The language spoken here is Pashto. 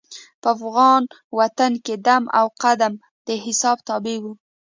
په افغان وطن کې دم او قدم د حساب تابع وو.